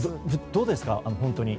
どうですか？